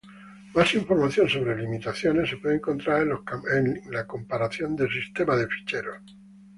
Más información sobre limitaciones se puede encontrar en la comparación del sistema de ficheros.